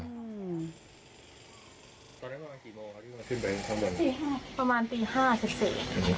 ประมาณตี๕เฉียบ